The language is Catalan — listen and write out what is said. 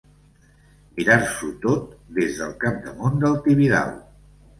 Mirar-s'ho tot des del capdamunt del Tibidabo.